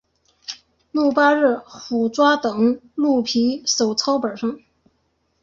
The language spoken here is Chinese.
鹿八日虎爪等鹿皮手抄本上。